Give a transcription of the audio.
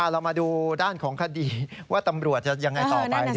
เรามาดูด้านของคดีว่าตำรวจจะยังไงต่อไป